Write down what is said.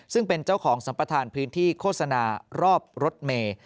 ซึ่งเป็นเจ้าของสัมปทานพื้นที่โฆษณารอบรถเมย์